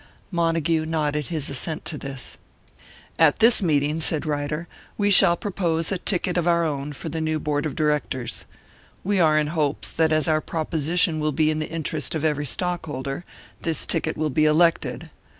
Montague nodded his assent to this. "At this meeting," said Ryder, "we shall propose a ticket of our own for the new board of directors. We are in hopes that as our proposition will be in the interest of every stockholder, this ticket will be elected.